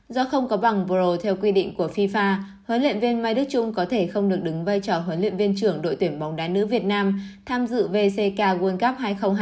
do không có bằng pro theo quy định của fifa huấn luyện viên mai đức trung có thể không được đứng vai trò huấn luyện viên trưởng đội tuyển bóng đá nữ việt nam tham dự vck world cup hai nghìn hai mươi